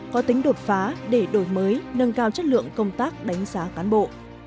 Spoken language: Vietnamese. có tính đột phá để đổi mới nâng cao chất lượng công tác đánh giá cán bộ